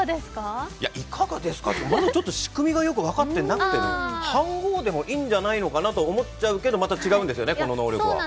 いかがですかってまだよく仕組みが分かってなくてね、飯ごうでもいいんじゃないのかなと思っちゃうんですけど、また違うんですよね、この能力は。